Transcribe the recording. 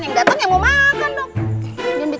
yang dateng yang mau makan dok